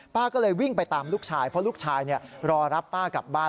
ก็เลยวิ่งไปตามลูกชายเพราะลูกชายรอรับป้ากลับบ้าน